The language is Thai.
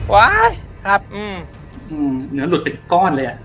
ว้าวครับอืมอืมเนื้อหลุดเป็นก้อนเลยอ่ะ